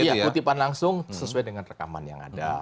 iya kutipan langsung sesuai dengan rekaman yang ada